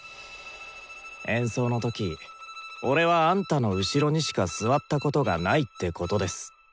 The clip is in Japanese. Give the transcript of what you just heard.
演奏の時俺はあんたの後ろにしか座ったことがないってことです。